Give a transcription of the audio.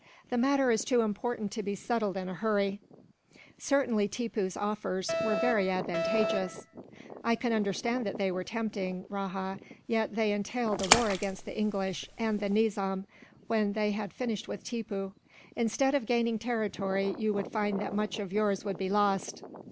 The matter is too important to be settled in a hurry. Certainly, Tippoo's offers were very advantageous." "I can understand that they were tempting, Rajah; yet they entailed a war against the English and the Nizam, when they had finished with Tippoo. Instead of gaining territory, you would find that much of yours would be lost.